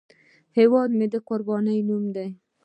هیواد مې د قربانۍ نوم دی